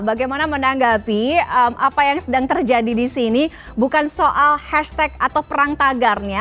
bagaimana menanggapi apa yang sedang terjadi di sini bukan soal hashtag atau perang tagarnya